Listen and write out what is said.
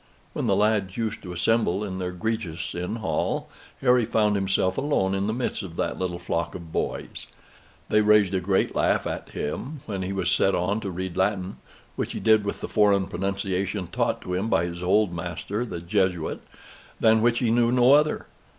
When the lads used to assemble in their greges in hall, Harry found himself alone in the midst of that little flock of boys; they raised a great laugh at him when he was set on to read Latin, which he did with the foreign pronunciation taught to him by his old master, the Jesuit, than which he knew no other.